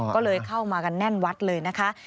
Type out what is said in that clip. ก็เลยเข้ามากันแน่นวัดเลยนะคะ